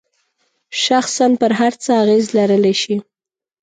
شخصاً پر هر څه اغیز لرلای شي.